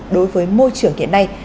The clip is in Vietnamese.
đối với môi trường hiện nay